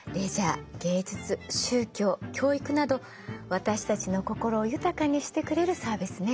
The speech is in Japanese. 芸術宗教教育など私たちの心を豊かにしてくれるサービスね。